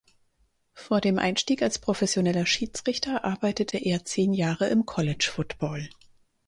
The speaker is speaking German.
Vor dem Einstieg als professioneller Schiedsrichter arbeitete er zehn Jahre im College Football.